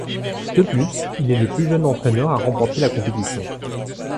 De plus, il est le plus jeune entraîneur à remporter la compétition.